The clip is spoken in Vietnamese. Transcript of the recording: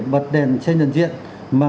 bật đèn xe nhận diện mà